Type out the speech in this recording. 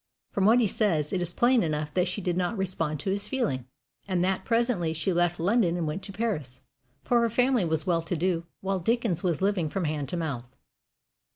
From what he says it is plain enough that she did not respond to his feeling, and that presently she left London and went to Paris, for her family was well to do, while Dickens was living from hand to mouth.